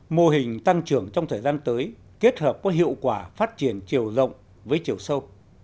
mô hình tăng trưởng trong thời gian tới kết hợp có hiệu quả phát triển chiều rộng với chiều sâu